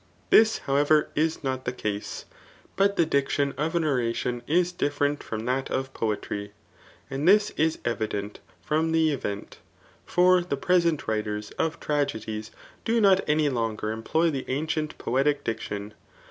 This, however, is not the case ; but the diction of an oration, is different from that of poetry. And this is evident from the event. For the present writers of tragedies do not any longer employ the ancient poetic diction.